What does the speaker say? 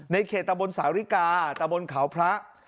เขตตะบนสาวริกาตะบนเขาพระ